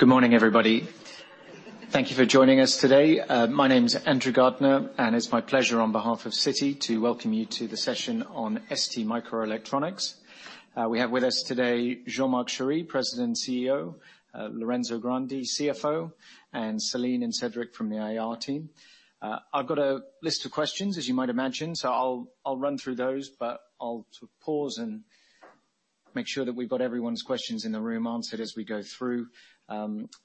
Good morning, everybody. Thank you for joining us today. My name's Andrew Gardiner, and it's my pleasure on behalf of Citi to welcome you to the session on STMicroelectronics. We have with us today Jean-Marc Chéry, President and CEO; Lorenzo Grandi, CFO; and Celine and Cedric from the IR team. I've got a list of questions, as you might imagine, so I'll run through those, but I'll pause and make sure that we've got everyone's questions in the room answered as we go through.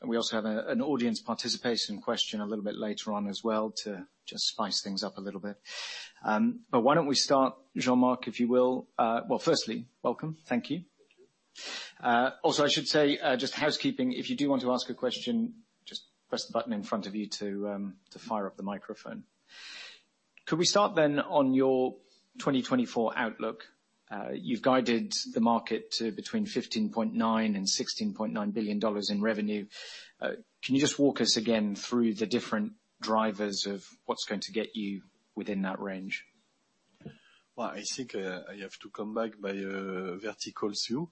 We also have an audience participation question a little bit later on as well to just spice things up a little bit. But why don't we start, Jean-Marc, if you will? Well, firstly, welcome. Thank you. Also, I should say, just housekeeping, if you do want to ask a question, just press the button in front of you to fire up the microphone. Could we start then on your 2024 outlook? You've guided the market to between $15.9 billion-$16.9 billion in revenue. Can you just walk us again through the different drivers of what's going to get you within that range? Well, I think I have to come back by a vertical view.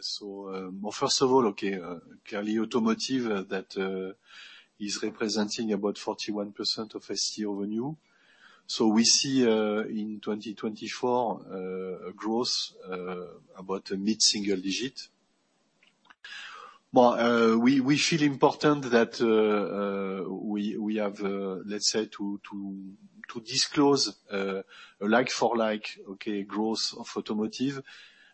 So first of all, okay, clearly automotive that is representing about 41% of ST revenue. So we see in 2024 growth about mid-single-digit. Well, we feel important that we have, let's say, to disclose like-for-like, okay, growth of automotive.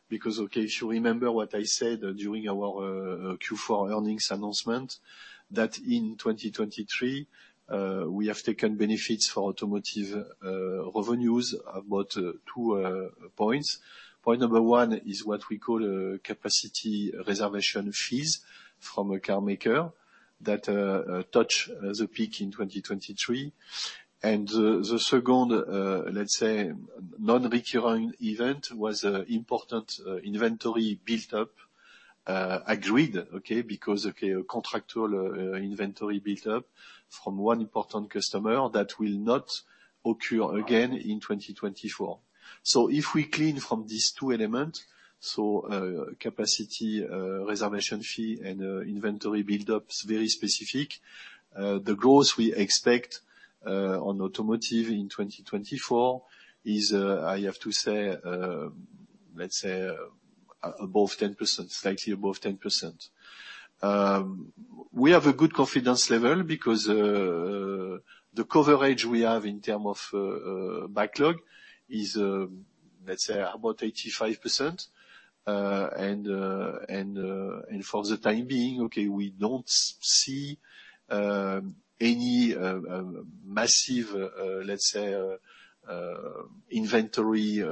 Because, okay, if you remember what I said during our Q4 earnings announcement, that in 2023 we have taken benefits for automotive revenues about 2 points. Point number one is what we call capacity reservation fees from a car maker that touch the peak in 2023. And the second, let's say, non-recurring event was important inventory buildup agreed, okay, because, okay, a contractual inventory buildup from one important customer that will not occur again in 2024. So if we clean from these two elements, so capacity reservation fee and inventory buildups very specific, the growth we expect on automotive in 2024 is, I have to say, let's say, above 10%, slightly above 10%. We have a good confidence level because the coverage we have in term of backlog is, let's say, about 85%. And for the time being, okay, we don't see any massive, let's say, inventory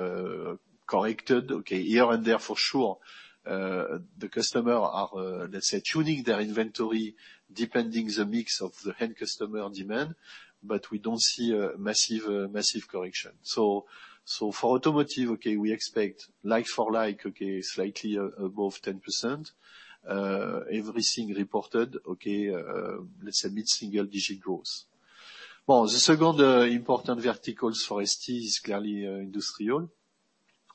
corrected. Okay, here and there, for sure, the customers are, let's say, tuning their inventory depending on the mix of the end customer demand, but we don't see massive correction. So for automotive, okay, we expect like-for-like, okay, slightly above 10%. Everything reported, okay, let's say, mid-single digit growth. Well, the second important verticals for ST is clearly industrial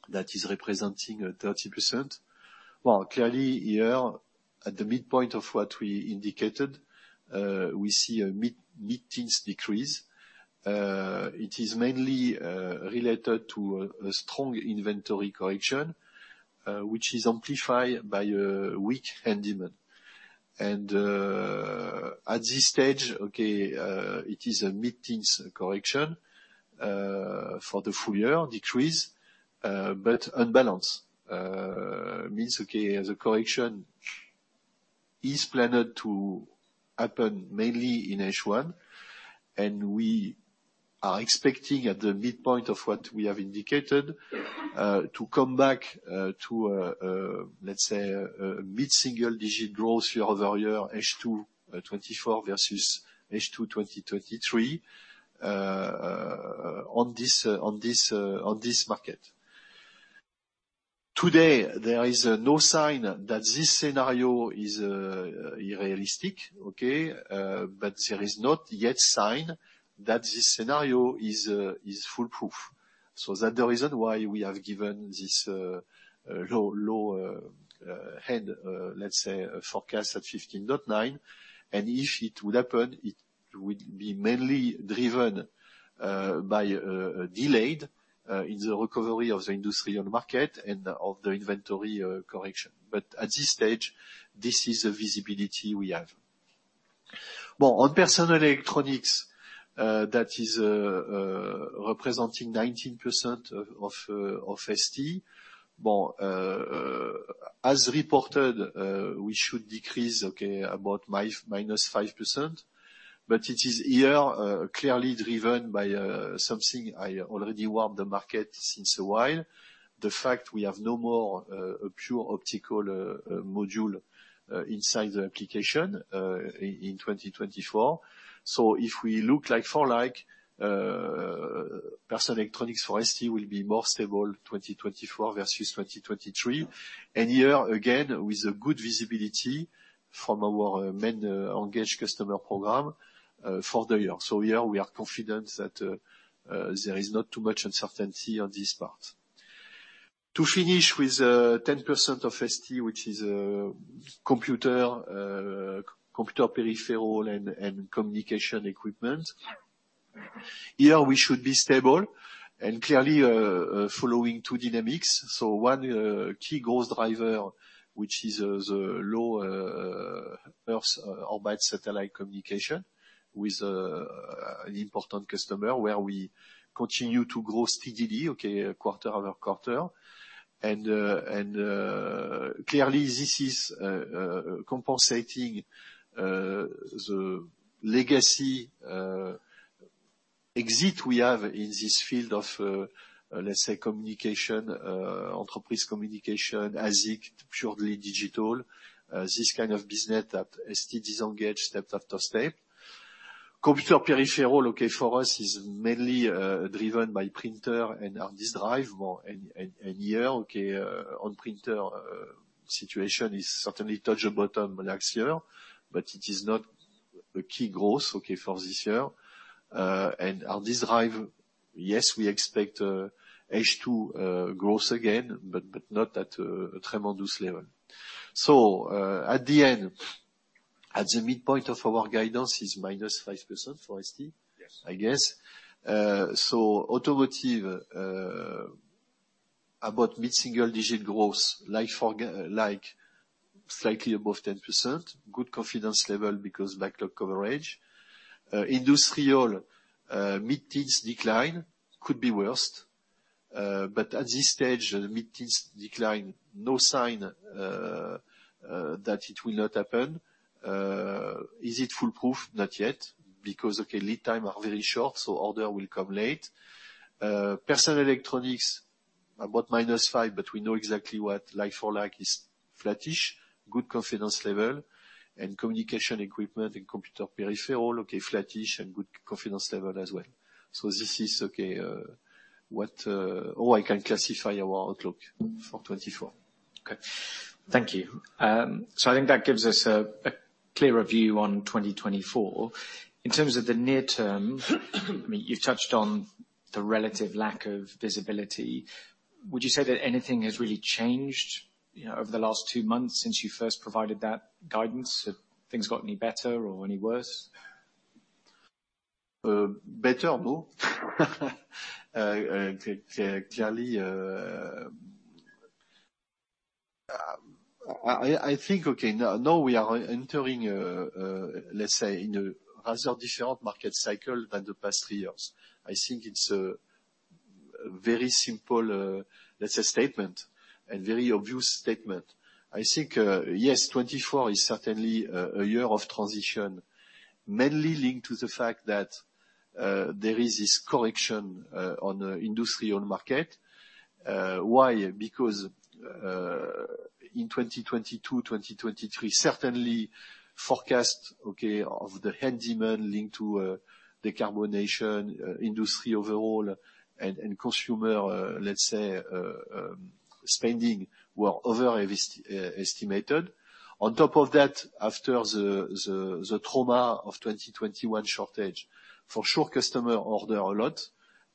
that is representing 30%. Well, clearly here, at the midpoint of what we indicated, we see a mid-teens decrease. It is mainly related to a strong inventory correction, which is amplified by a weak end demand. At this stage, okay, it is a mid-teens correction for the full year, decrease, but unbalanced. Means, okay, the correction is planned to happen mainly in H1, and we are expecting at the midpoint of what we have indicated to come back to, let's say, mid-single digit growth year-over-year, H2 2024 versus H2 2023, on this market. Today, there is no sign that this scenario is unrealistic, okay, but there is not yet a sign that this scenario is foolproof. So that's the reason why we have given this low-end, let's say, forecast at $15.9 billion. And if it would happen, it would be mainly driven by a delay in the recovery of the industrial market and of the inventory correction. But at this stage, this is the visibility we have. Well, on personal electronics, that is representing 19% of ST. Well, as reported, we should decrease, okay, about -5%. But it is here clearly driven by something I already warned the market since a while, the fact we have no more pure optical module inside the application in 2024. So if we look like-for-like, personal electronics for ST will be more stable 2024 versus 2023. And here, again, with a good visibility from our main engaged customer program for the year. So here, we are confident that there is not too much uncertainty on this part. To finish with 10% of ST, which is computer, computer peripheral, and communication equipment, here, we should be stable and clearly following two dynamics. So one key growth driver, which is the low Earth-orbit satellite communication with an important customer where we continue to grow steadily, okay, quarter after quarter. Clearly, this is compensating the legacy exit we have in this field of, let's say, communication, enterprise communication, ASIC, purely digital, this kind of business that ST disengages step after step. Computer peripheral, okay, for us is mainly driven by printer and hard disk drive. Well, and here, okay, on printer situation is certainly touch the bottom last year, but it is not the key growth, okay, for this year. Hard disk drive, yes, we expect H2 growth again, but not at a tremendous level. At the end, at the midpoint of our guidance is -5% for ST, I guess. Automotive, about mid-single digit growth, like-for-like, slightly above 10%, good confidence level because backlog coverage. Industrial, mid-teens decline could be worst. But at this stage, mid-teens decline, no sign that it will not happen. Is it foolproof? Not yet. Because, okay, lead times are very short, so order will come late. Personal electronics, about -5%, but we know exactly what like-for-like is flatish, good confidence level. And communication equipment and computer peripheral, okay, flatish and good confidence level as well. So this is, okay, what oh, I can classify our outlook for 2024. Okay. Thank you. So I think that gives us a clearer view on 2024. In terms of the near term, I mean, you've touched on the relative lack of visibility. Would you say that anything has really changed over the last two months since you first provided that guidance? Have things got any better or any worse? Better, no. Clearly, I think, okay, now we are entering, let's say, in a rather different market cycle than the past three years. I think it's a very simple, let's say, statement and very obvious statement. I think, yes, 2024 is certainly a year of transition, mainly linked to the fact that there is this correction on the industrial market. Why? Because in 2022, 2023, certainly forecast, okay, of the end demand linked to decarbonation, industry overall, and consumer, let's say, spending were overestimated. On top of that, after the trauma of 2021 shortage, for sure, customers ordered a lot,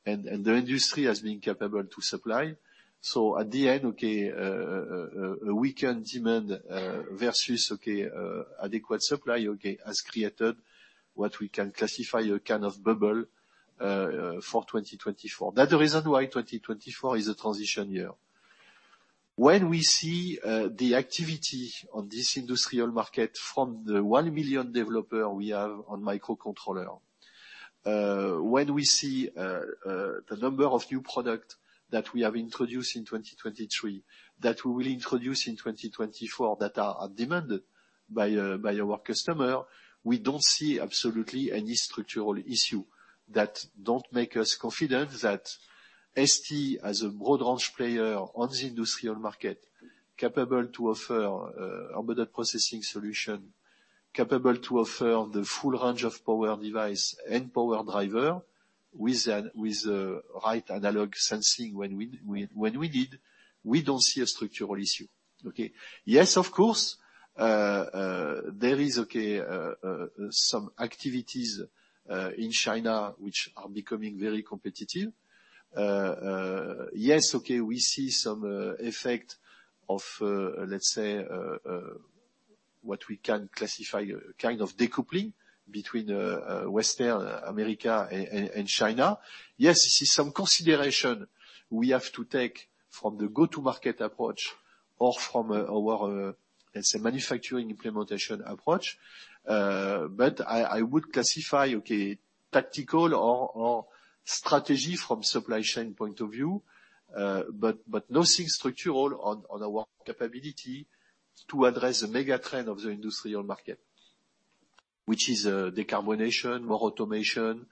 and the industry has been capable to supply. So at the end, okay, a weakened demand versus, okay, adequate supply, okay, has created what we can classify as a kind of bubble for 2024. That's the reason why 2024 is a transition year. When we see the activity on this industrial market from the 1 million developers we have on microcontrollers, when we see the number of new products that we have introduced in 2023, that we will introduce in 2024 that are demanded by our customers, we don't see absolutely any structural issues that don't make us confident that ST, as a broad-range player on the industrial market, capable to offer Arm processing solutions, capable to offer the full range of power device and power driver with the right analog sensing when we need, we don't see a structural issue. Okay? Yes, of course, there is, okay, some activities in China which are becoming very competitive. Yes, okay, we see some effect of, let's say, what we can classify as a kind of decoupling between Western America and China. Yes, you see some consideration we have to take from the go-to-market approach or from our, let's say, manufacturing implementation approach. But I would classify, okay, tactical or strategy from a supply chain point of view, but nothing structural on our capability to address the megatrend of the industrial market, which is decarbonation, more automation,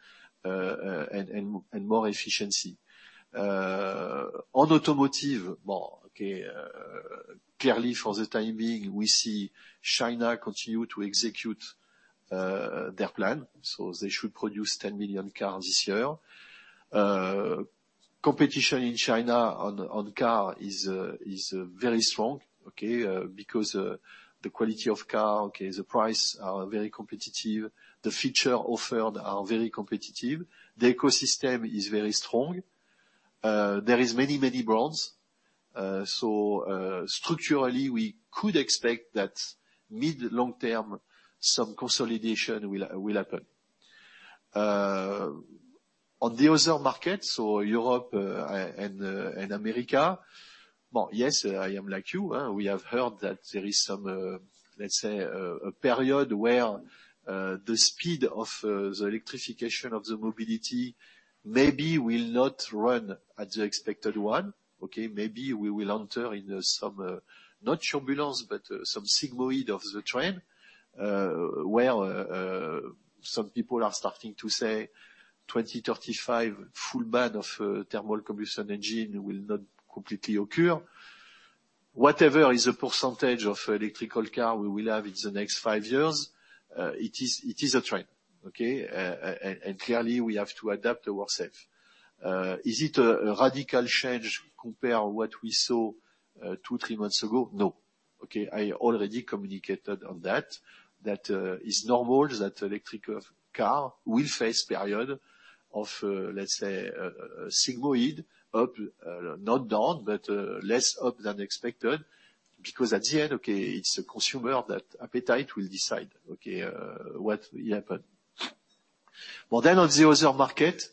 and more efficiency. On automotive, well, okay, clearly, for the time being, we see China continue to execute their plan. So they should produce 10 million cars this year. Competition in China on car is very strong, okay, because the quality of car, okay, the prices are very competitive, the features offered are very competitive, the ecosystem is very strong. There are many, many brands. So structurally, we could expect that mid, long-term, some consolidation will happen. On the other markets, so Europe and America, well, yes, I am like you. We have heard that there is some, let's say, a period where the speed of the electrification of the mobility maybe will not run at the expected one. Okay? Maybe we will enter in some, not turbulence, but some sigmoid of the trend where some people are starting to say 2035, full ban of thermal combustion engine will not completely occur. Whatever is the percentage of electrical cars we will have in the next five years, it is a trend. Okay? And clearly, we have to adapt ourselves. Is it a radical change compared to what we saw two, three months ago? No. Okay? I already communicated on that. That is normal that electric cars will face a period of, let's say, sigmoid up, not down, but less up than expected because at the end, okay, it's the consumer's appetite that will decide, okay, what will happen. Well, then on the other market,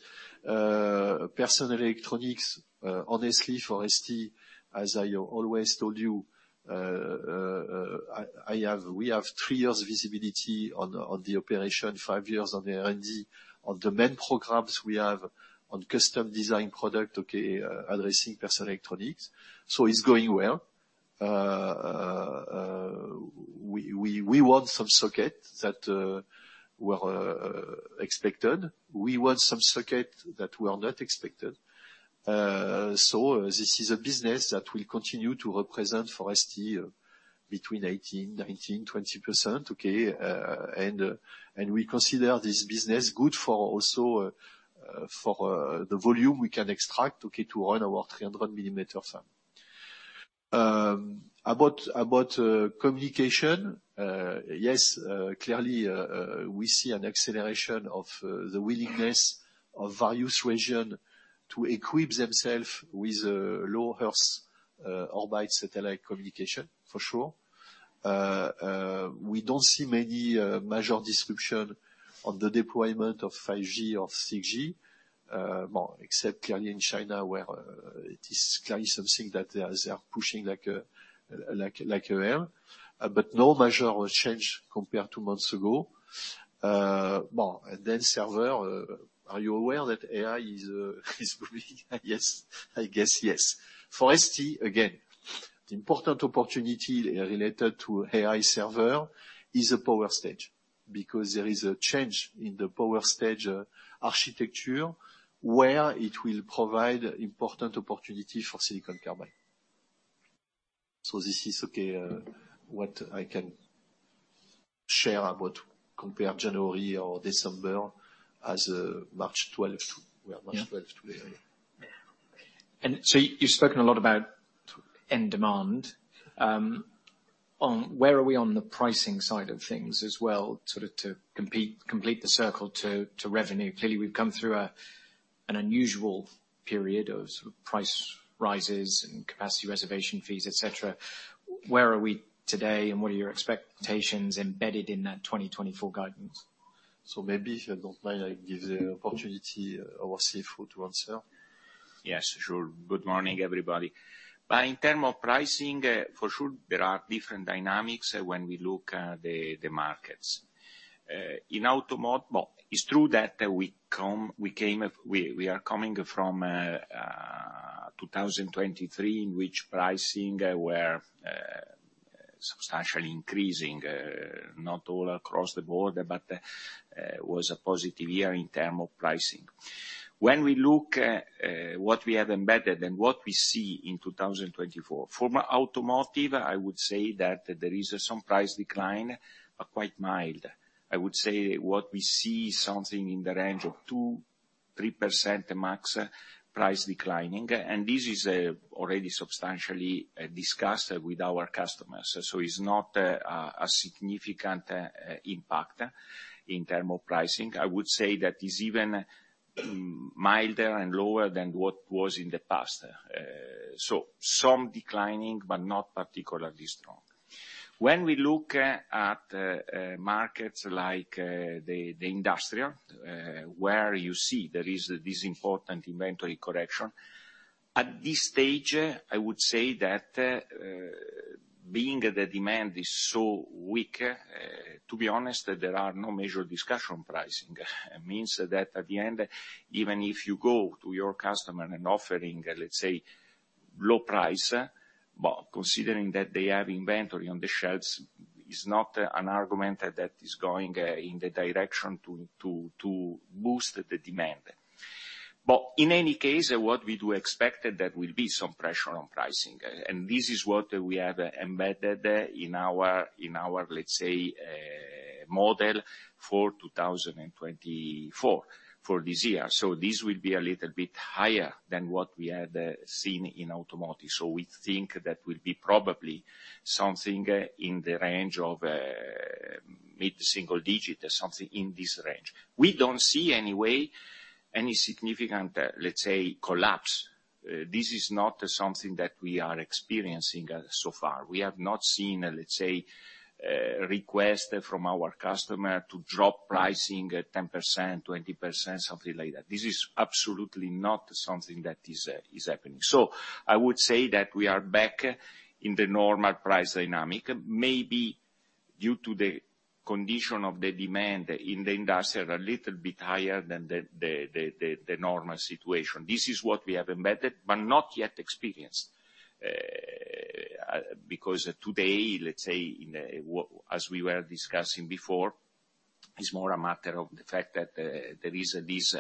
personal electronics, honestly, for ST, as I always told you, we have 3 years' visibility on the operation, 5 years' on the R&D, on the main programs we have on custom design product, okay, addressing personal electronics. So it's going well. We want some sockets that were expected. We want some sockets that were not expected. So this is a business that will continue to represent for ST between 18%-20%. Okay? And we consider this business good also for the volume we can extract, okay, to run our 300mm fab. About communication, yes, clearly, we see an acceleration of the willingness of various regions to equip themselves with low-Earth orbit satellite communication, for sure. We don't see many major disruptions on the deployment of 5G or 6G, well, except clearly in China where it is clearly something that they are pushing like hell. But no major change compared to months ago. Well, and then servers, are you aware that AI is moving? Yes. I guess yes. For ST, again, the important opportunity related to AI servers is the power stage because there is a change in the power stage architecture where it will provide important opportunity for silicon carbide. So this is, okay, what I can share about compared to January or December as of March 12th. We are March 12th today. So you've spoken a lot about end demand. Where are we on the pricing side of things as well, sort of to complete the circle to revenue? Clearly, we've come through an unusual period of sort of price rises and capacity reservation fees, etc. Where are we today, and what are your expectations embedded in that 2024 guidance? Maybe, if you don't mind, I give the opportunity overseas to answer. Yes, sure. Good morning, everybody. In terms of pricing, for sure, there are different dynamics when we look at the markets. In automotive, well, it's true that we are coming from 2023 in which pricing were substantially increasing, not all across the board, but was a positive year in terms of pricing. When we look at what we have embedded and what we see in 2024, for automotive, I would say that there is some price decline, but quite mild. I would say what we see is something in the range of 2%-3% max price declining. And this is already substantially discussed with our customers. So it's not a significant impact in terms of pricing. I would say that it's even milder and lower than what was in the past. So some declining, but not particularly strong. When we look at markets like the industrial where you see there is this important inventory correction, at this stage, I would say that being that demand is so weak, to be honest, there are no major discussion pricing. It means that at the end, even if you go to your customer and offering, let's say, low price, well, considering that they have inventory on the shelves, it's not an argument that is going in the direction to boost the demand. But in any case, what we do expect that will be some pressure on pricing. And this is what we have embedded in our, let's say, model for 2024, for this year. So this will be a little bit higher than what we have seen in automotive. So we think that will be probably something in the range of mid-single digit, something in this range. We don't see anyway any significant, let's say, collapse. This is not something that we are experiencing so far. We have not seen, let's say, a request from our customer to drop pricing 10%, 20%, something like that. This is absolutely not something that is happening. So I would say that we are back in the normal price dynamic, maybe due to the condition of the demand in the industrial a little bit higher than the normal situation. This is what we have embedded, but not yet experienced because today, let's say, as we were discussing before, it's more a matter of the fact that there is this,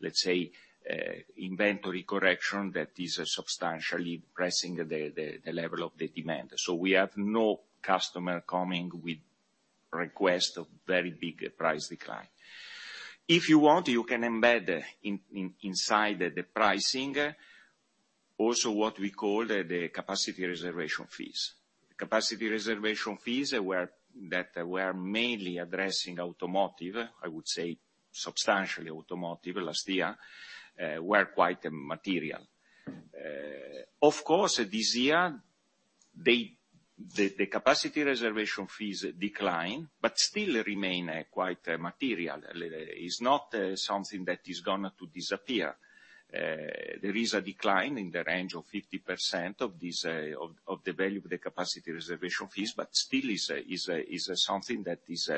let's say, inventory correction that is substantially pressing the level of the demand. So we have no customer coming with requests of very big price decline. If you want, you can embed inside the pricing also what we call the capacity reservation fees. Capacity reservation fees that were mainly addressing automotive, I would say substantially automotive last year, were quite material. Of course, this year, the capacity reservation fees decline, but still remain quite material. It's not something that is going to disappear. There is a decline in the range of 50% of the value of the capacity reservation fees, but still is something that is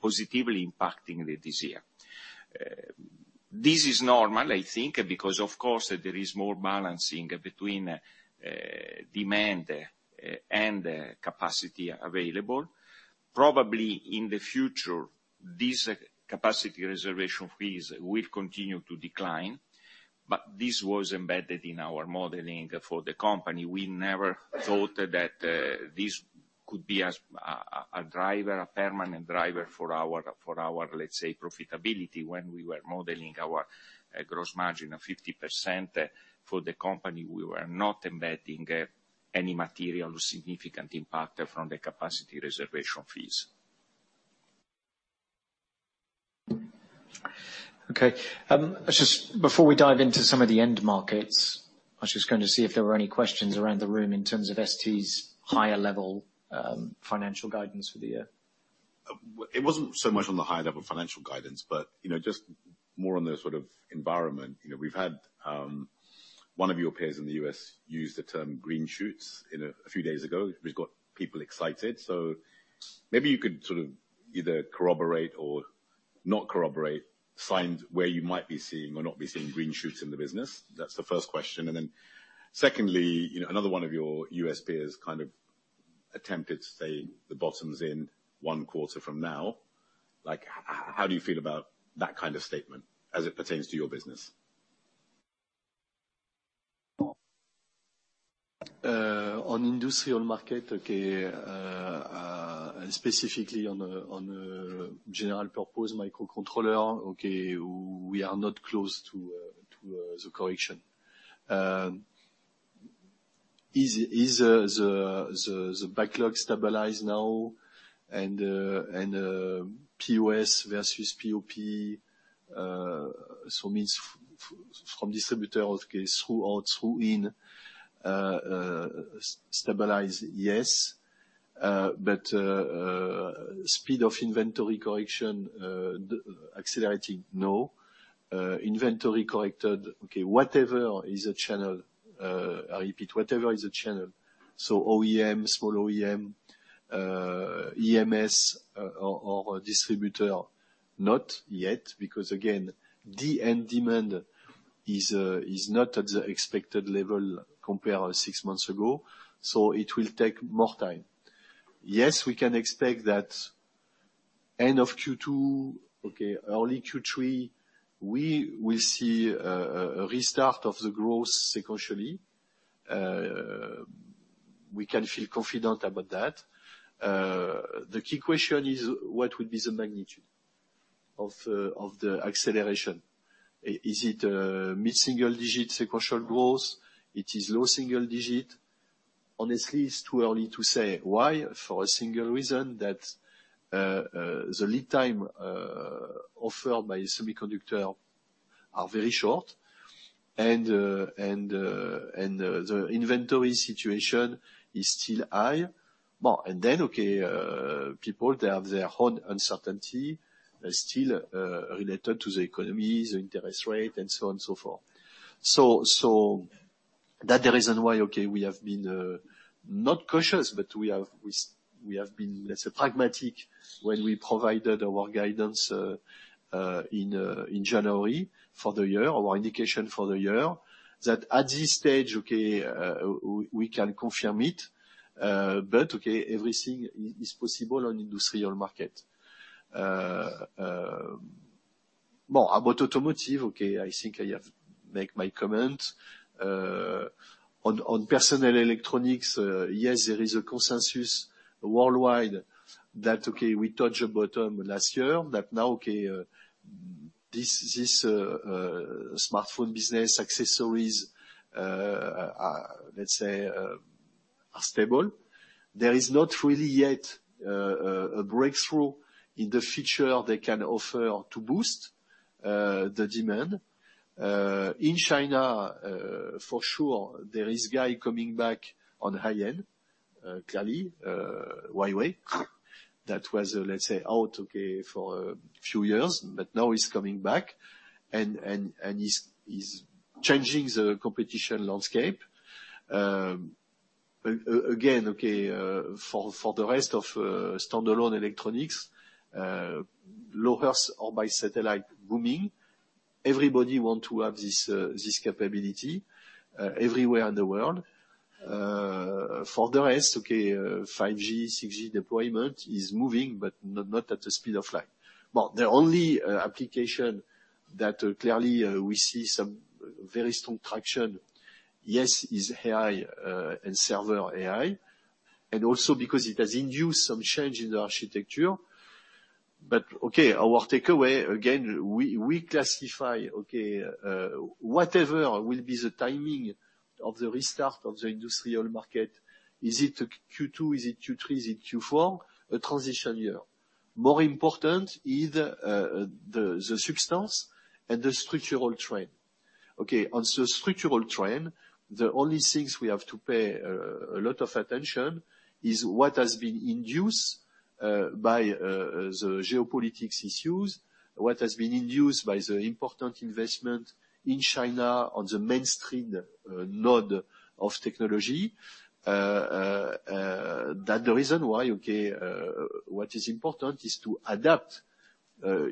positively impacting this year. This is normal, I think, because, of course, there is more balancing between demand and capacity available. Probably in the future, these capacity reservation fees will continue to decline. But this was embedded in our modeling for the company. We never thought that this could be a driver, a permanent driver for our, let's say, profitability. When we were modeling our gross margin of 50% for the company, we were not embedding any material significant impact from the capacity reservation fees. Okay. Before we dive into some of the end markets, I was just going to see if there were any questions around the room in terms of ST's higher-level financial guidance for the year. It wasn't so much on the higher-level financial guidance, but just more on the sort of environment. We've had one of your peers in the U.S. use the term green shoots a few days ago, which got people excited. So maybe you could sort of either corroborate or not corroborate where you might be seeing or not be seeing green shoots in the business. That's the first question. And then secondly, another one of your U.S. peers kind of attempted to say the bottom's in one quarter from now. How do you feel about that kind of statement as it pertains to your business? On industrial market, okay, specifically on general purpose microcontrollers, okay, we are not close to the correction. Is the backlog stabilized now? And POS versus POP, so means from distributor, okay, sell-through, sell-in, stabilized, yes. But speed of inventory correction accelerating, no. Inventory corrected, okay, whatever is a channel, I repeat, whatever is a channel, so OEM, small OEM, EMS or distributor, not yet because, again, the end demand is not at the expected level compared to six months ago. So it will take more time. Yes, we can expect that end of Q2, okay, early Q3, we will see a restart of the growth sequentially. We can feel confident about that. The key question is what would be the magnitude of the acceleration. Is it mid-single digit sequential growth? It is low single digit. Honestly, it's too early to say why for a single reason that the lead time offered by semiconductor are very short, and the inventory situation is still high. Well, and then, okay, people, they have their own uncertainty still related to the economy, the interest rate, and so on and so forth. So that's the reason why, okay, we have been not cautious, but we have been, let's say, pragmatic when we provided our guidance in January for the year, our indication for the year that at this stage, okay, we can confirm it. But, okay, everything is possible on industrial market. Well, about automotive, okay, I think I have made my comment. On personal electronics, yes, there is a consensus worldwide that, okay, we touched the bottom last year, that now, okay, this smartphone business accessories, let's say, are stable. There is not really yet a breakthrough in the future they can offer to boost the demand. In China, for sure, there is a guy coming back on high end, clearly, Huawei. That was, let's say, out, okay, for a few years, but now he's coming back and he's changing the competition landscape. Again, okay, for the rest of standalone electronics, low-Earth orbit satellite booming, everybody wants to have this capability everywhere in the world. For the rest, okay, 5G, 6G deployment is moving, but not at the speed of light. Well, the only application that clearly we see some very strong traction, yes, is AI and server AI, and also because it has induced some change in the architecture. But, okay, our takeaway, again, we classify, okay, whatever will be the timing of the restart of the industrial market, is it Q2, is it Q3, is it Q4, a transition year. More important is the substance and the structural trend. Okay, on the structural trend, the only things we have to pay a lot of attention is what has been induced by the geopolitics issues, what has been induced by the important investment in China on the mainstream node of technology. That's the reason why, okay, what is important is to adapt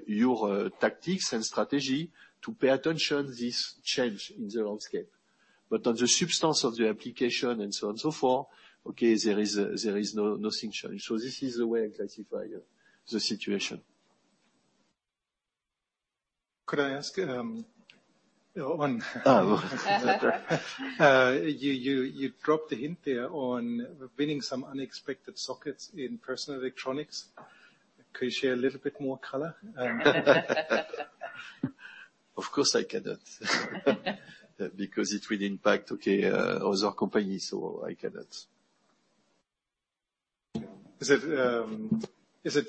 your tactics and strategy to pay attention to this change in the landscape. But on the substance of the application and so on and so forth, okay, there is no thing changed. So this is the way I classify the situation. Could I ask on? Oh, good. You dropped a hint there on winning some unexpected sockets in personal electronics. Could you share a little bit more color? Of course, I cannot because it will impact, okay, other companies. So I cannot. Is it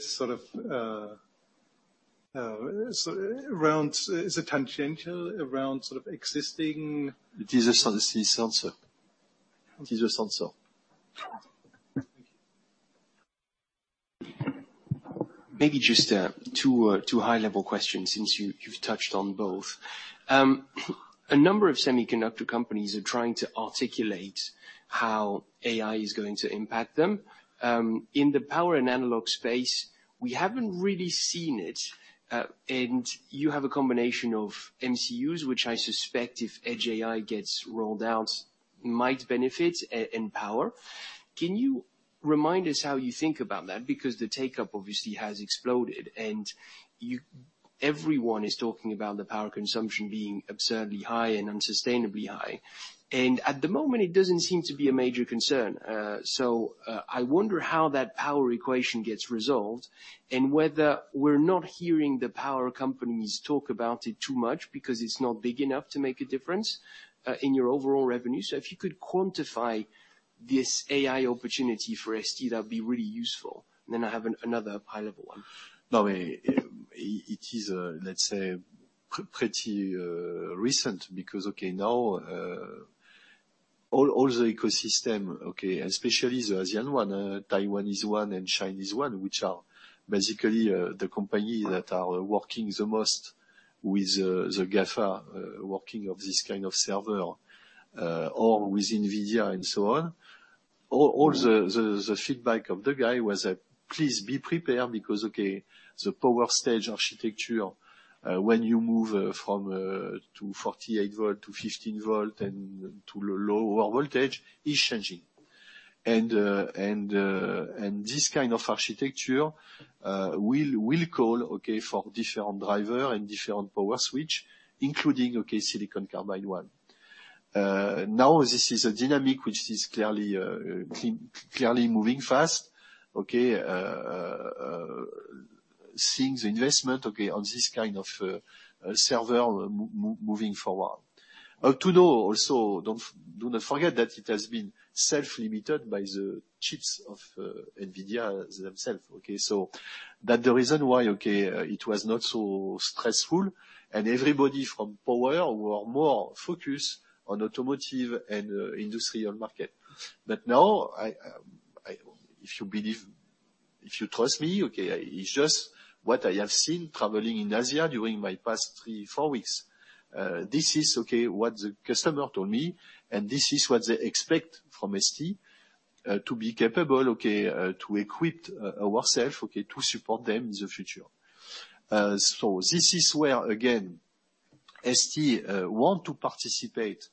tangential around sort of existing? It is a sensor. It is a sensor. Thank you. Maybe just two high-level questions since you've touched on both. A number of semiconductor companies are trying to articulate how AI is going to impact them. In the power and analog space, we haven't really seen it. And you have a combination of MCUs, which I suspect if Edge AI gets rolled out, might benefit in power. Can you remind us how you think about that because the take-up obviously has exploded and everyone is talking about the power consumption being absurdly high and unsustainably high? And at the moment, it doesn't seem to be a major concern. So I wonder how that power equation gets resolved and whether we're not hearing the power companies talk about it too much because it's not big enough to make a difference in your overall revenue. So if you could quantify this AI opportunity for ST, that would be really useful. And then I have another high-level one. No, it is, let's say, pretty recent because, okay, now all the ecosystem, okay, especially the ASEAN one, Taiwan is one and China is one, which are basically the companies that are working the most with the GAFA working of this kind of server or with NVIDIA and so on. All the feedback of the guy was that please be prepared because, okay, the power stage architecture, when you move to 48 volt to 15 volt and to lower voltage, is changing. And this kind of architecture will call, okay, for different drivers and different power switch, including, okay, silicon carbide one. Now, this is a dynamic which is clearly moving fast, okay, seeing the investment, okay, on this kind of server moving forward. To know also, do not forget that it has been self-limited by the chips of NVIDIA themselves, okay? So that's the reason why, okay, it was not so stressful and everybody from power were more focused on automotive and industrial market. But now, if you believe, if you trust me, okay, it's just what I have seen traveling in Asia during my past 3, 4 weeks. This is, okay, what the customer told me, and this is what they expect from ST to be capable, okay, to equip ourselves, okay, to support them in the future. So this is where, again, ST wants to participate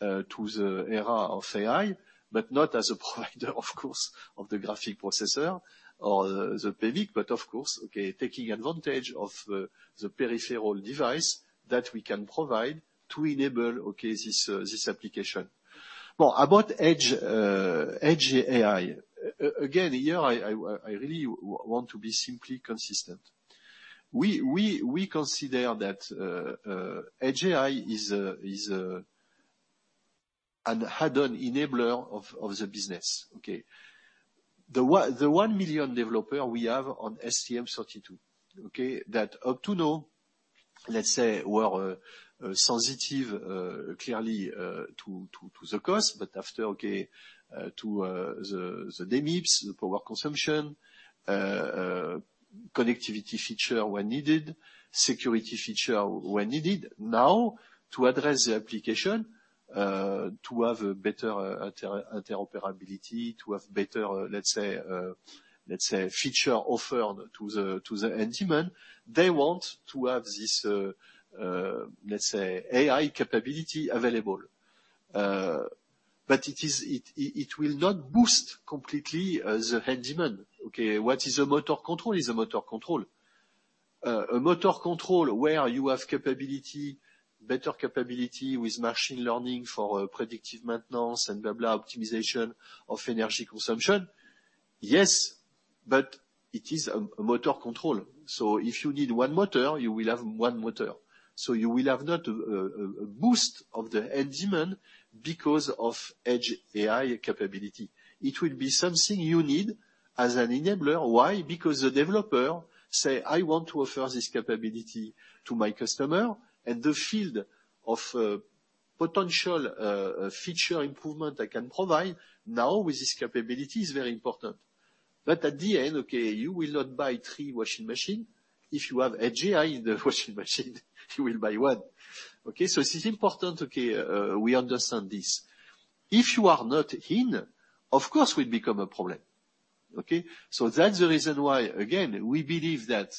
to the era of AI, but not as a provider, of course, of the graphic processor or the PMIC, but of course, okay, taking advantage of the peripheral device that we can provide to enable, okay, this application. Well, about Edge AI, again, here, I really want to be simply consistent. We consider that Edge AI is an add-on enabler of the business, okay? The 1 million developer we have on STM32, okay, that up to now, let's say, were sensitive, clearly, to the cost, but after, okay, to the DMIPS, the power consumption, connectivity feature when needed, security feature when needed. Now, to address the application, to have better interoperability, to have better, let's say, feature offered to the end demand, they want to have this, let's say, AI capability available. But it will not boost completely the end demand, okay? What is a motor control? It's a motor control. A motor control where you have better capability with machine learning for predictive maintenance and blah, blah, optimization of energy consumption, yes, but it is a motor control. So if you need one motor, you will have one motor. So you will have not a boost of the end demand because of Edge AI capability. It will be something you need as an enabler. Why? Because the developer says, "I want to offer this capability to my customer, and the field of potential feature improvement I can provide now with this capability is very important." But at the end, okay, you will not buy three washing machines. If you have Edge AI in the washing machine, you will buy one, okay? So it's important, okay, we understand this. If you are not in, of course, it will become a problem, okay? So that's the reason why, again, we believe that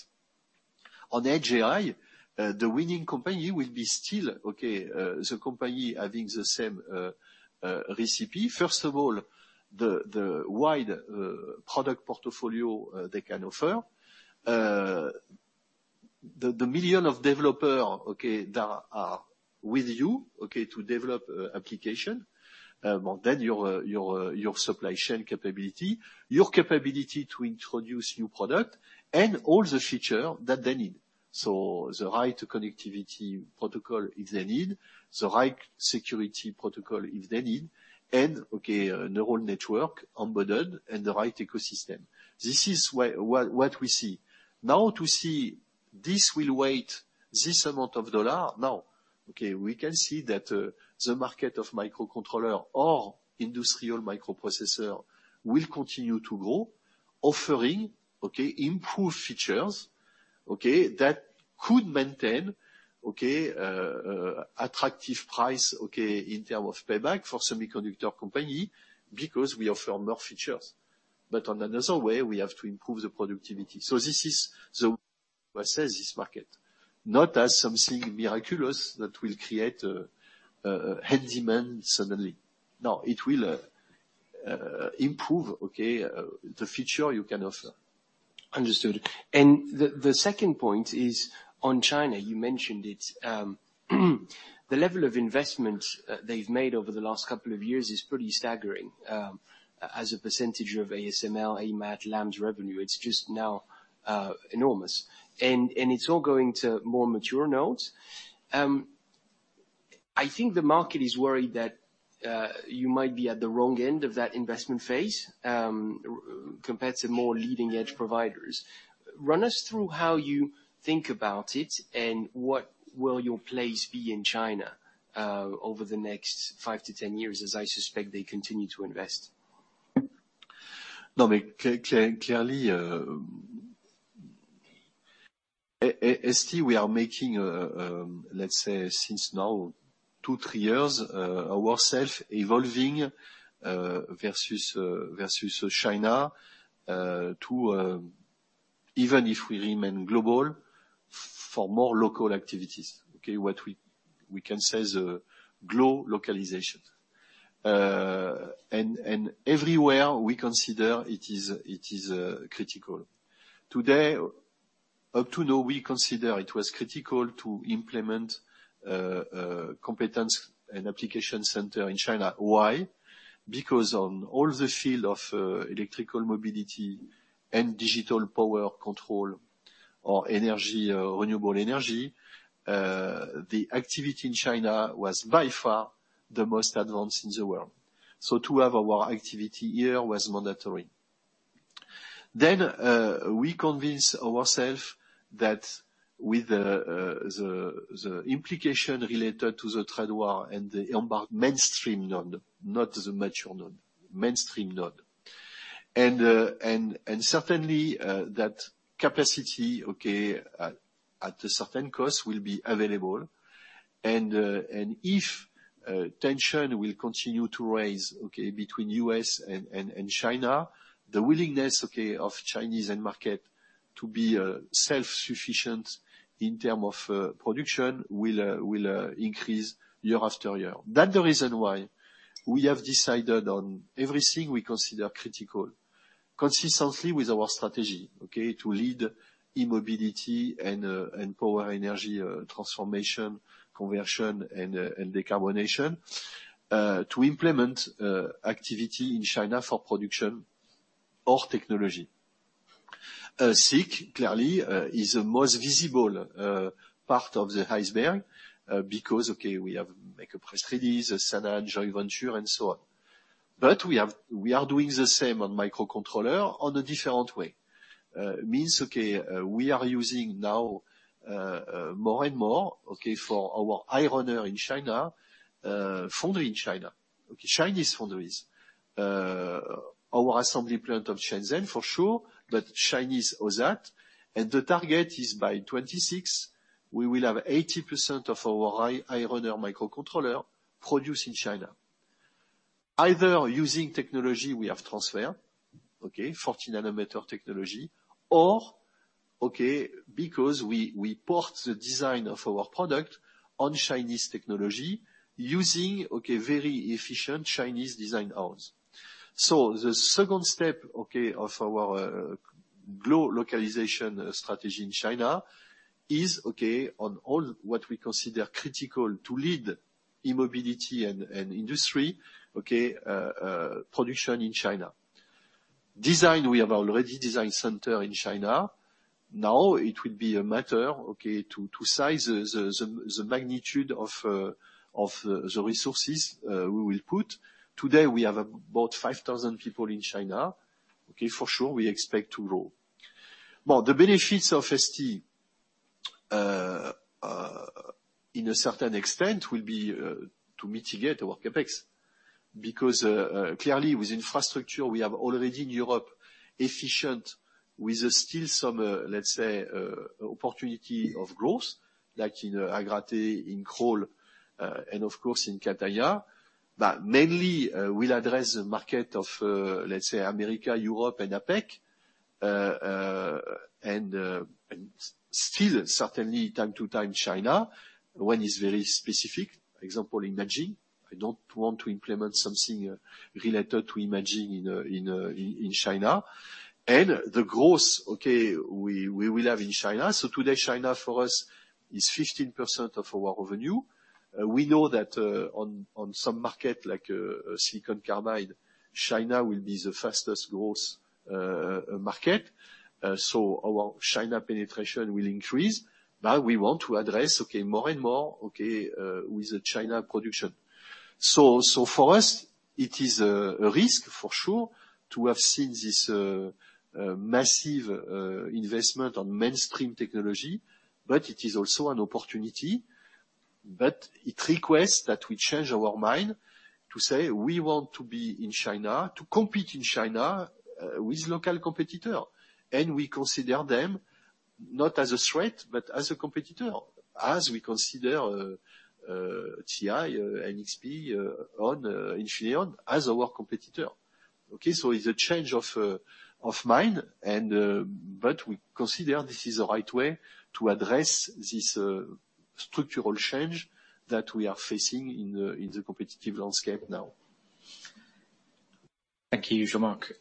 on Edge AI, the winning company will be still, okay, the company having the same recipe. First of all, the wide product portfolio they can offer, the million of developers, okay, that are with you, okay, to develop application, then your supply chain capability, your capability to introduce new product, and all the feature that they need. So the right connectivity protocol if they need, the right security protocol if they need, and, okay, neural network embedded and the right ecosystem. This is what we see. Now, to see this will wait this amount of dollar, no. Okay, we can see that the market of microcontroller or industrial microprocessor will continue to grow, offering, okay, improved features, okay, that could maintain, okay, attractive price, okay, in terms of payback for semiconductor company because we offer more features. But on another way, we have to improve the productivity. So this is the process, this market, not as something miraculous that will create end demand suddenly. No, it will improve, okay, the feature you can offer. Understood. And the second point is on China. You mentioned it. The level of investment they've made over the last couple of years is pretty staggering as a percentage of ASML, AMAT, Lam revenue. It's just now enormous. And it's all going to more mature nodes. I think the market is worried that you might be at the wrong end of that investment phase compared to more leading edge providers. Run us through how you think about it and what will your place be in China over the next 5-10 years as I suspect they continue to invest. No, clearly, ST, we are making, let's say, since now, 2-3 years, ourselves evolving versus China to even if we remain global for more local activities, okay, what we can say is global localization. Everywhere, we consider it is critical. Today, up to now, we consider it was critical to implement competence and application center in China. Why? Because on all the field of electrical mobility and digital power control or renewable energy, the activity in China was by far the most advanced in the world. So to have our activity here was mandatory. Then we convinced ourselves that with the implication related to the trade war and the mainstream node, not the mature node, mainstream node. And certainly, that capacity, okay, at a certain cost will be available. If tension will continue to raise, okay, between U.S. and China, the willingness, okay, of Chinese market to be self-sufficient in terms of production will increase year after year. That's the reason why we have decided on everything we consider critical consistently with our strategy, okay, to lead e-mobility and power energy transformation, conversion, and decarbonation, to implement activity in China for production or technology. SiC, clearly, is the most visible part of the iceberg because, okay, we have main capacities, Sanan, joint venture, and so on. But we are doing the same on microcontroller on a different way. Means, okay, we are using now more and more, okay, for our high-runner in China, foundry in China, okay, Chinese foundries, our assembly plant of Shenzhen for sure, but Chinese OSAT. The target is by 2026, we will have 80% of our high-runner microcontroller produced in China, either using technology we have transferred, okay, 40nm technology, or, okay, because we port the design of our product on Chinese technology using, okay, very efficient Chinese design hours. So the second step, okay, of our global localization strategy in China is, okay, on all what we consider critical to lead e-mobility and industry, okay, production in China. We have already designed a design center in China. Now, it will be a matter, okay, to size the magnitude of the resources we will put. Today, we have about 5,000 people in China, okay, for sure, we expect to grow. Well, the benefits of ST, in a certain extent, will be to mitigate our CapEx because clearly, with infrastructure, we have already in Europe efficient with still some, let's say, opportunity of growth like in Agrate, in Crolles, and of course, in Catania. Mainly, we'll address the market of, let's say, America, Europe, and APAC, and still, certainly, time to time, China when it's very specific. For example, imaging, I don't want to implement something related to imaging in China. And the growth, okay, we will have in China. So today, China for us is 15% of our revenue. We know that on some market like silicon carbide, China will be the fastest growth market. So our China penetration will increase. But we want to address, okay, more and more, okay, with China production. So for us, it is a risk, for sure, to have seen this massive investment on mainstream technology, but it is also an opportunity. But it requests that we change our mind to say, "We want to be in China, to compete in China with local competitors." And we consider them not as a threat, but as a competitor, as we consider TI, NXP, Infineon as our competitor, okay? So it's a change of mind, but we consider this is the right way to address this structural change that we are facing in the competitive landscape now. Thank you, Jean-Marc.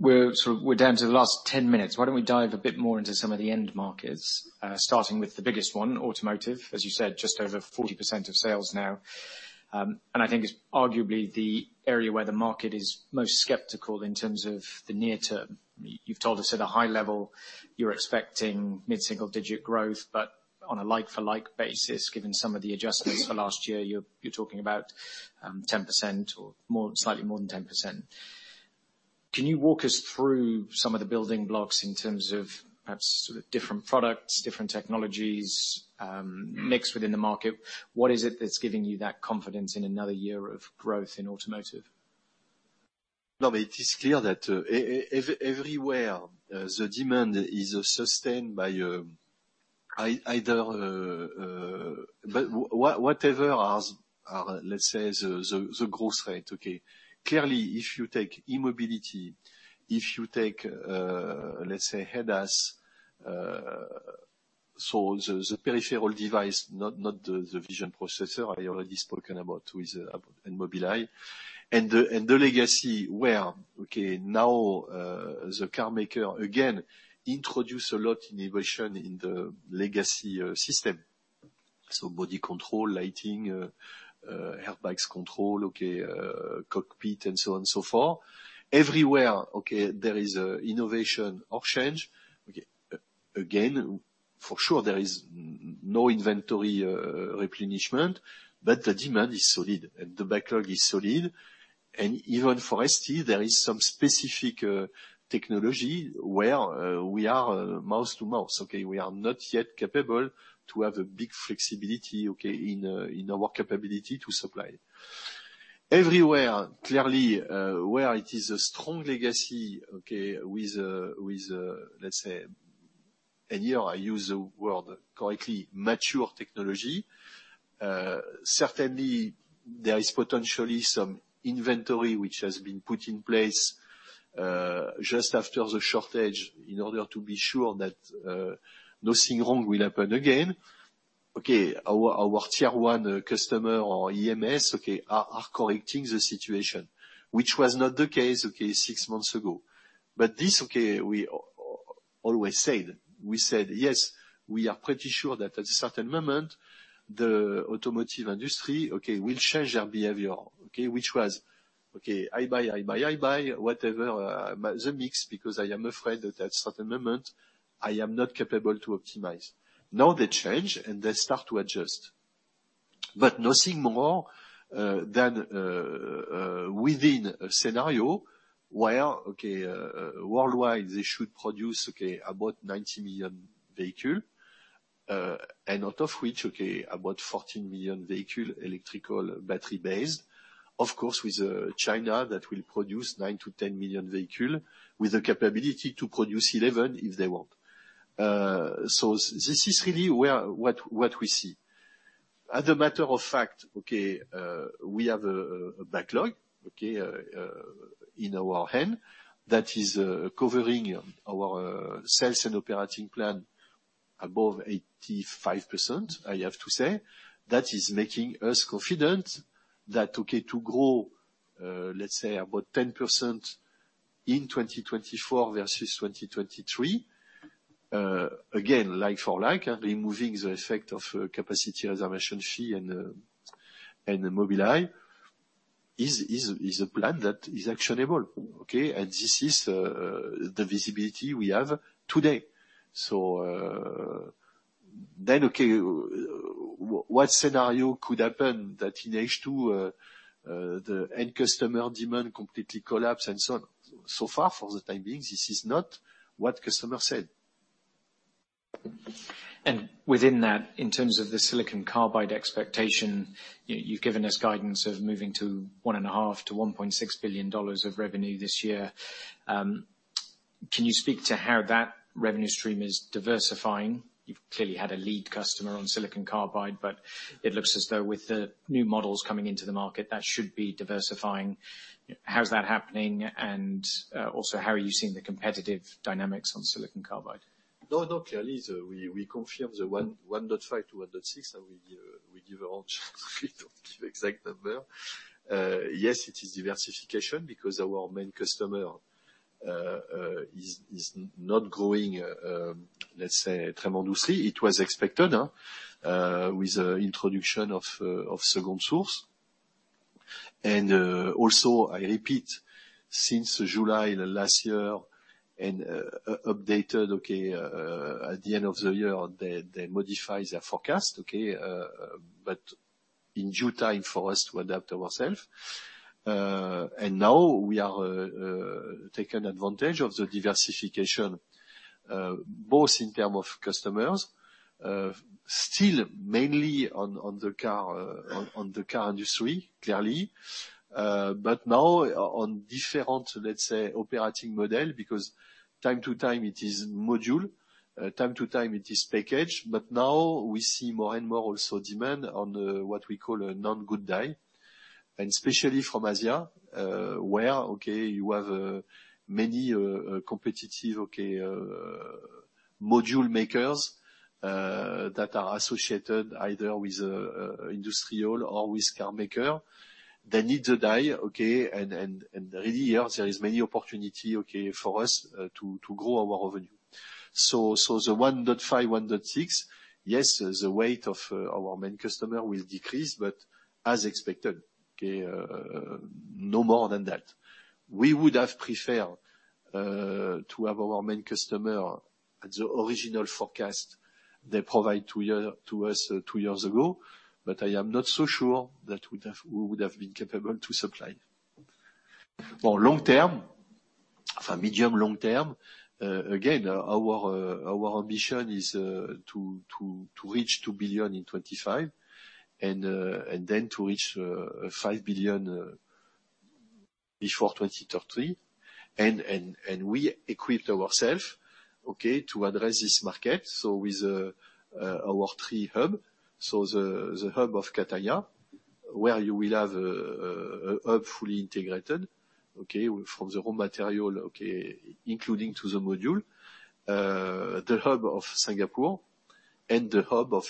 We're down to the last 10 minutes. Why don't we dive a bit more into some of the end markets, starting with the biggest one, automotive, as you said, just over 40% of sales now. I think it's arguably the area where the market is most skeptical in terms of the near term. You've told us at a high level, you're expecting mid-single-digit growth, but on a like-for-like basis, given some of the adjustments for last year, you're talking about 10% or slightly more than 10%. Can you walk us through some of the building blocks in terms of perhaps sort of different products, different technologies, mixed within the market? What is it that's giving you that confidence in another year of growth in automotive? No, but it is clear that everywhere, the demand is sustained by either but whatever are, let's say, the growth rate, okay? Clearly, if you take e-mobility, if you take, let's say, ADAS, so the peripheral device, not the vision processor, I already spoken about with Mobileye, and the legacy where, okay, now the carmaker, again, introduced a lot of innovation in the legacy system. So body control, lighting, airbags control, okay, cockpit, and so on and so forth. Everywhere, okay, there is innovation or change. Again, for sure, there is no inventory replenishment, but the demand is solid, and the backlog is solid. And even for ST, there is some specific technology where we are mouth to mouth, okay? We are not yet capable to have a big flexibility, okay, in our capability to supply. Everywhere, clearly, where it is a strong legacy, okay, with, let's say, and here, I use the word correctly, mature technology, certainly, there is potentially some inventory which has been put in place just after the shortage in order to be sure that nothing wrong will happen again. Okay, our Tier 1 customer or EMS, okay, are correcting the situation, which was not the case, okay, six months ago. But this, okay, we always said. We said, "Yes, we are pretty sure that at a certain moment, the automotive industry, okay, will change their behavior, okay, which was, okay, I buy, I buy, I buy, whatever, the mix because I am afraid that at a certain moment, I am not capable to optimize." Now, they change, and they start to adjust. But nothing more than within a scenario where, okay, worldwide, they should produce, okay, about 90 million vehicles, and out of which, okay, about 14 million vehicles electrical battery-based, of course, with China that will produce 9-10 million vehicles with the capability to produce 11 if they want. So this is really what we see. As a matter of fact, okay, we have a backlog, okay, in our hand that is covering our sales and operating plan above 85%, I have to say. That is making us confident that, okay, to grow, let's say, about 10% in 2024 versus 2023, again, like for like, removing the effect of capacity reservation fee and Mobileye is a plan that is actionable, okay? And this is the visibility we have today. So then, okay, what scenario could happen that in H2, the end customer demand completely collapse and so on? So far, for the time being, this is not what customers said. Within that, in terms of the silicon carbide expectation, you've given us guidance of moving to $1.5 billion-$1.6 billion of revenue this year. Can you speak to how that revenue stream is diversifying? You've clearly had a lead customer on silicon carbide, but it looks as though with the new models coming into the market, that should be diversifying. How's that happening, and also how are you seeing the competitive dynamics on silicon carbide? No, no, clearly, we confirm the $1.5 billion-$1.6 billion, and we give a round chance. We don't give exact number. Yes, it is diversification because our main customer is not growing, let's say, tremendously. It was expected with the introduction of second source. And also, I repeat, since July last year and updated, okay, at the end of the year, they modify their forecast, okay, but in due time for us to adapt ourselves. And now, we are taking advantage of the diversification, both in terms of customers, still mainly on the car industry, clearly, but now on different, let's say, operating model because time to time, it is module. Time to time, it is package. But now, we see more and more also demand on what we call a non-good die, and especially from Asia where, okay, you have many competitive, okay, module makers that are associated either with industrial or with carmaker. They need the die, okay? And really, here, there is many opportunities, okay, for us to grow our revenue. So the $1.5 billion-$1.6 billion, yes, the weight of our main customer will decrease, but as expected, okay, no more than that. We would have preferred to have our main customer at the original forecast they provided to us two years ago, but I am not so sure that we would have been capable to supply. Well, long term, in fact, medium-long term, again, our ambition is to reach $2 billion in 2025 and then to reach $5 billion before 2023. We equipped ourselves, okay, to address this market, so with our three hubs, so the hub of Catania where you will have a hub fully integrated, okay, from the raw material, okay, including to the module, the hub of Singapore, and the hub of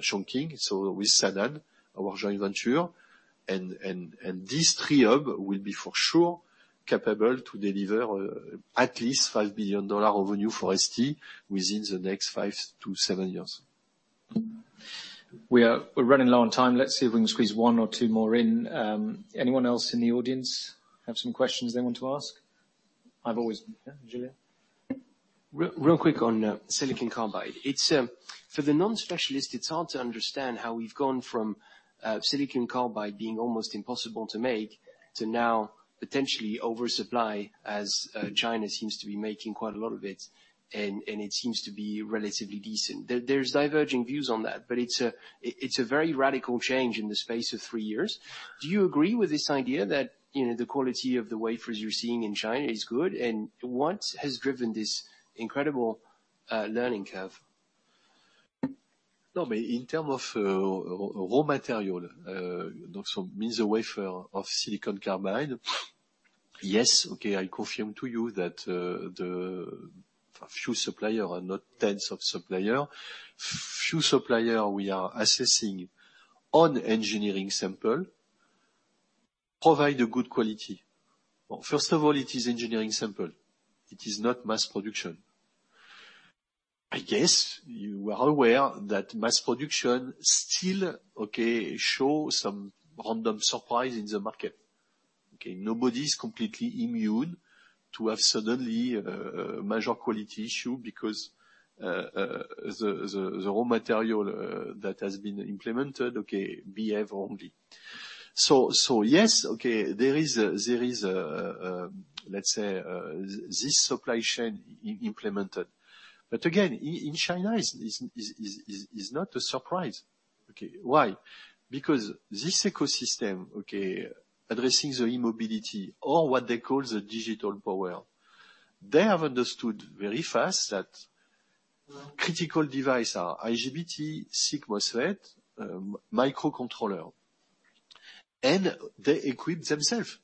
Chongqing, so with Sanan, our joint venture. These three hubs will be for sure capable to deliver at least $5 billion revenue for ST within the next 5-7 years. We're running low on time. Let's see if we can squeeze one or two more in. Anyone else in the audience have some questions they want to ask? I've always yeah, Julian? Real quick on silicon carbide. For the non-specialists, it's hard to understand how we've gone from silicon carbide being almost impossible to make to now potentially oversupply as China seems to be making quite a lot of it, and it seems to be relatively decent. There's diverging views on that, but it's a very radical change in the space of three years. Do you agree with this idea that the quality of the wafers you're seeing in China is good, and what has driven this incredible learning curve? No, but in terms of raw material, so means the wafer of silicon carbide, yes, okay, I confirm to you that a few suppliers are not tens of suppliers. Few suppliers we are assessing on engineering sample provide a good quality. Well, first of all, it is engineering sample. It is not mass production. I guess you are aware that mass production still, okay, shows some random surprise in the market. Okay, nobody is completely immune to have suddenly major quality issue because the raw material that has been implemented, okay, behaves only. So yes, okay, there is, let's say, this supply chain implemented. But again, in China, it's not a surprise. Okay, why? Because this ecosystem, okay, addressing the e-mobility or what they call the digital power, they have understood very fast that critical device are IGBT, SiC MOSFET, microcontroller, and they equip themselves.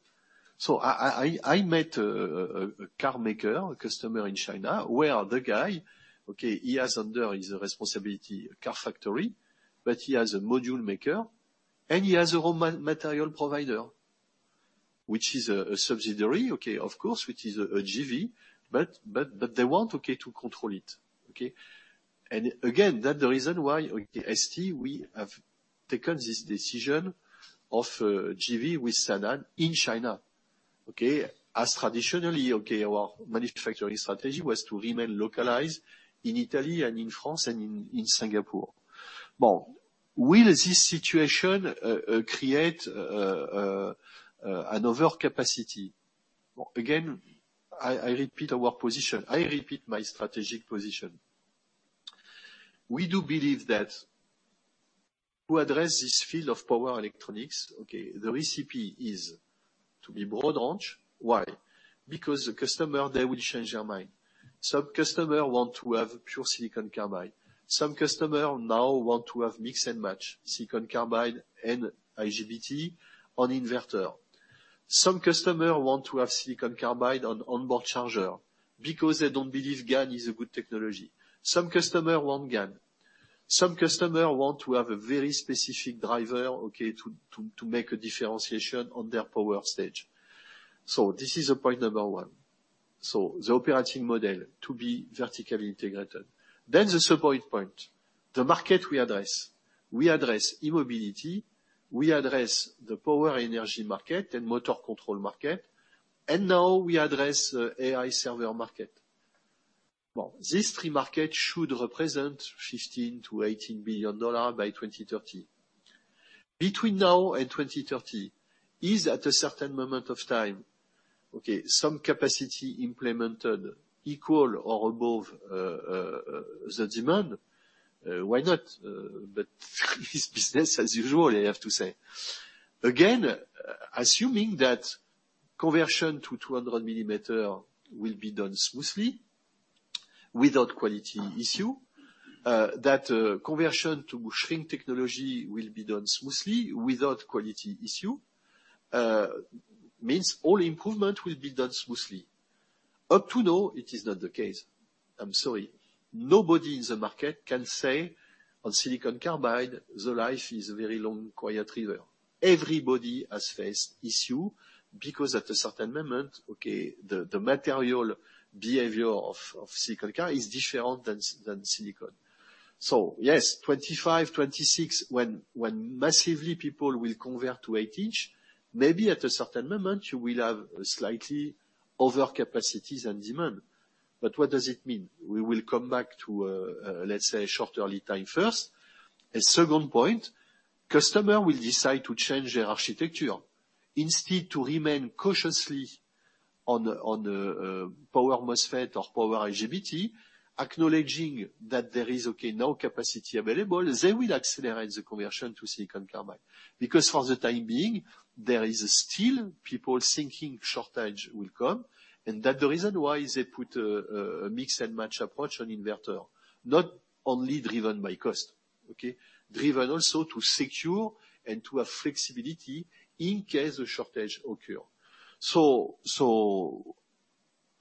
So I met a carmaker, a customer in China where the guy, okay, he has under his responsibility a car factory, but he has a module maker, and he has a raw material provider, which is a subsidiary, okay, of course, which is a GV, but they want, okay, to control it. Okay? Again, that's the reason why, okay, ST, we have taken this decision of GV with Sanan in China. Okay? As traditionally, okay, our manufacturing strategy was to remain localized in Italy and in France and in Singapore. Well, will this situation create an overcapacity? Again, I repeat our position. I repeat my strategic position. We do believe that to address this field of power electronics, okay, the recipe is to be broad-range. Why? Because the customer, they will change their mind. Some customers want to have pure silicon carbide. Some customers now want to have mix and match silicon carbide and IGBT on inverter. Some customers want to have silicon carbide on onboard charger because they don't believe GaN is a good technology. Some customers want GaN. Some customers want to have a very specific driver, okay, to make a differentiation on their power stage. So this is point number one. So the operating model to be vertically integrated. Then the support point, the market we address. We address e-mobility. We address the power energy market and motor control market. And now, we address the AI server market. Well, these three markets should represent $15 billion-$18 billion by 2030. Between now and 2030, is at a certain moment of time, okay, some capacity implemented equal or above the demand? Why not? But it's business as usual, I have to say. Again, assuming that conversion to 200 millimeter will be done smoothly without quality issue, that conversion to shrink technology will be done smoothly without quality issue means all improvement will be done smoothly. Up to now, it is not the case. I'm sorry. Nobody in the market can say on silicon carbide, the life is a very long, quiet river. Everybody has faced issue because at a certain moment, okay, the material behavior of silicon carbide is different than silicon. So yes, 2025, 2026, when massively people will convert to 8-inch, maybe at a certain moment, you will have slightly overcapacities and demand. But what does it mean? We will come back to, let's say, shorter lead time first. And second point, customers will decide to change their architecture. Instead of remaining cautiously on power MOSFET or power IGBT, acknowledging that there is, okay, no capacity available, they will accelerate the conversion to silicon carbide because for the time being, there is still people thinking shortage will come. And that's the reason why they put a mix and match approach on inverter, not only driven by cost, okay, driven also to secure and to have flexibility in case a shortage occurs. So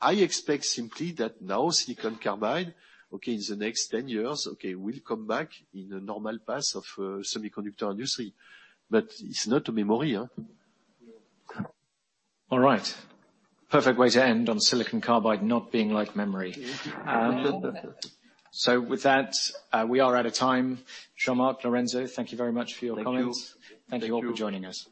I expect simply that now, silicon carbide, okay, in the next 10 years, okay, will come back in a normal path of semiconductor industry. But it's not a memory. All right. Perfect way to end on silicon carbide not being like memory. So with that, we are out of time. Jean-Marc Lorenzo, thank you very much for your comments. Thank you. Thank you all for joining us.